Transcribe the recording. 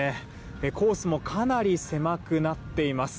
コースもかなり狭くなっています。